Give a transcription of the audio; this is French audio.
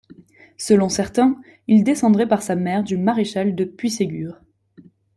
Selon certains, il descendrait par sa mère du maréchal de Puységur.